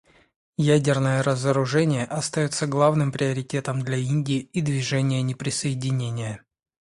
Ядерное разоружение остается главным приоритетом для Индии и Движения неприсоединения.